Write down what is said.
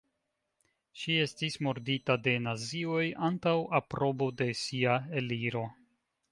Ŝi estis murdita de nazioj antaŭ aprobo de sia eliro.